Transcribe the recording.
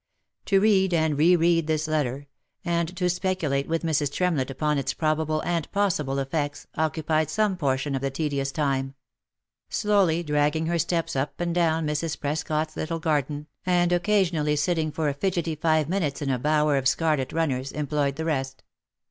To read and re read this letter, and to speculate with Mrs. Tremlett upon its probable and possible effects, occupied some portion of the tedious time ; slowly dragging her steps up and down Mrs. Prescot's little garden, and occasionally sitting for a fidgety five minutes in a bower of scarlet runners, employed the rest.